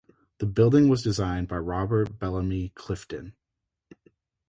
The building was designed by Robert Bellamy Clifton.